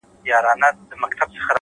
پوهه تیاره شکونه له منځه وړي’